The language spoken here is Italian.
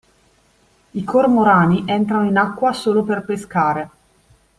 I Cormorani entrano in acqua solo per pescare.